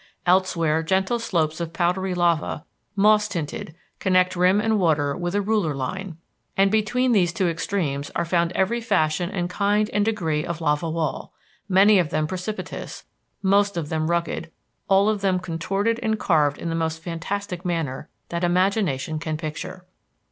Elsewhere gentle slopes of powdery lava, moss tinted, connect rim and water with a ruler line. And between these two extremes are found every fashion and kind and degree of lava wall, many of them precipitous, most of them rugged, all of them contorted and carved in the most fantastic manner that imagination can picture.